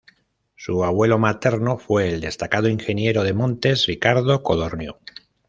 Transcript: Su abuelo materno fue el destacado ingeniero de montes Ricardo Codorníu.